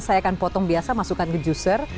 saya akan potong biasa masukkan ke user